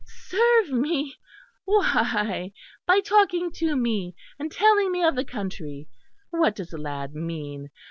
"Serve me? Why, by talking to me, and telling me of the country. What does the lad mean?